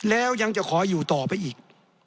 แล้วยังจะขออยู่ต่อไปอีก